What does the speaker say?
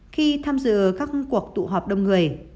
khi tham dự các cuộc tụ họp đông người